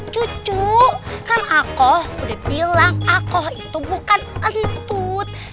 cucu kan aku udah bilang aku itu bukan entut